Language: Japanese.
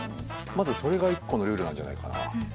まずそれが一個のルールなんじゃないかな。